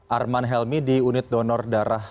arman helmi di unit donor darah